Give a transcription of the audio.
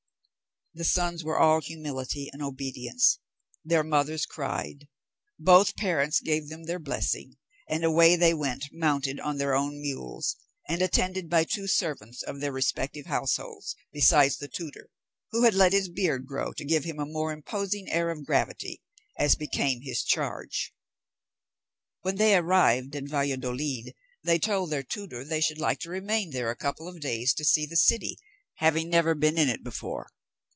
The sons were all humility and obedience; their mothers cried; both parents gave them their blessing, and away they went, mounted on their own mules, and attended by two servants of their respective households, besides the tutor, who had let his beard grow, to give him a more imposing air of gravity, as became his charge. When they arrived at Valladolid, they told their tutor they should like to remain there a couple of days to see the city, having never been in it before.